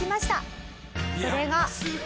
それが。